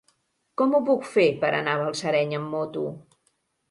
Com ho puc fer per anar a Balsareny amb moto?